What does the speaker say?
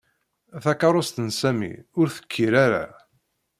Takeṛṛust n Sami ur tekkir ara.